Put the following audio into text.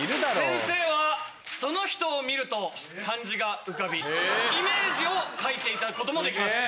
先生はその人を見ると漢字が浮かびイメージを書いていただくこともできます。